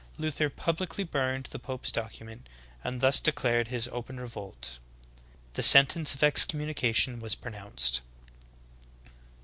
Luther publicly burned the pope's document, and thus de clared his open revolt. The sentence of excommunication v/as pronounced.